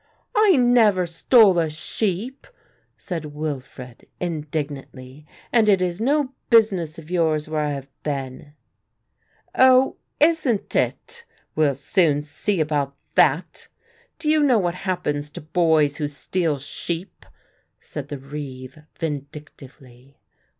"I never stole a sheep," said Wilfred indignantly, "and it is no business of yours where I have been." "Oh, isn't it; we'll soon see about that. Do you know what happens to boys who steal sheep?" said the reeve vindictively.